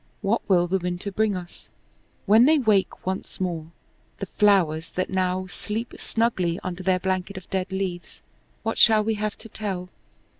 What will the winter bring us? When they wake once more, the flowers that now sleep snugly under their blanket of dead leaves, what shall we have to tell?